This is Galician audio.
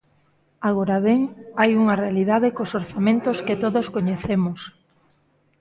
Agora ben, hai unha realidade cos orzamentos que todos coñecemos.